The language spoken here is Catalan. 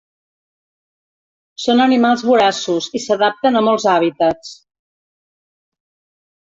Són animals voraços i s’adapten a molts hàbitats.